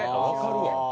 わかるわ。